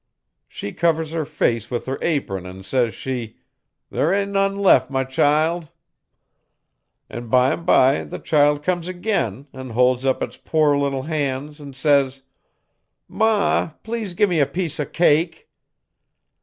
'She covers her face with her apron an' says she, "There am none left, my child." 'An' bime bye the child comes agin' an' holds up its poor little han's an' says: "Ma! please gi' me a piece O' cake."